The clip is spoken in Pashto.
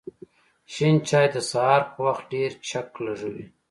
شین چای د سهار په وخت ډېر چک لږوی